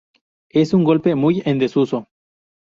Es un golpe muy en desuso.